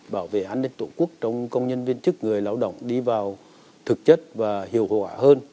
bảo vệ an ninh tổ quốc trong công nhân viên chức người lao động đi vào thực chất và hiệu quả hơn